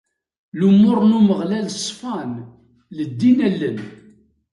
Lumuṛ n Umeɣlal ṣfan, leddin allen.